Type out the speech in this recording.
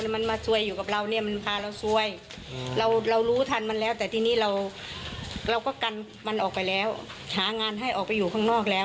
มันอาจจะมาอย่างนั้น